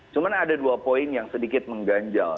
cuma ada dua poin yang sedikit mengganjal